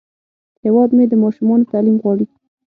هیواد مې د ماشومانو تعلیم غواړي